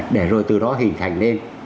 để rồi từ đó hình thành lên